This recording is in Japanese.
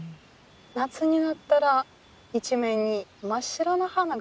夏になったら一面に真っ白な花が咲くの。